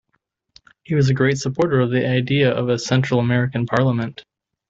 He was a great supporter of the idea of a Central American Parliament.